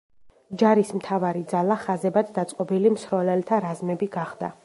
ჯარის მთავარი ძალა ხაზებად დაწყობილი მსროლელთა რაზმები გახდა.